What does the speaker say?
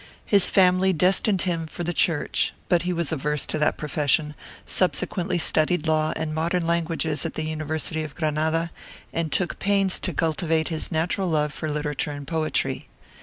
His family destined him for the Church; but he was averse to that profession, subsequently studied law and modern languages at the University of Granada, and took pains to cultivate his natural love for literature and poetry.